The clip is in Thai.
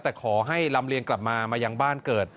แต่ขอให้ลำเลียงกลับมามายังบ้านเกิด